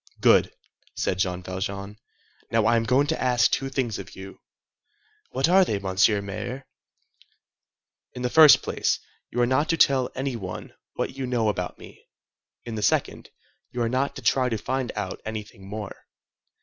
"Good," said Jean Valjean. "Now I am going to ask two things of you." "What are they, Mr. Mayor?" "In the first place, you are not to tell any one what you know about me. In the second, you are not to try to find out anything more."